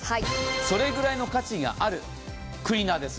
それぐらいの価値があるクリーナーです。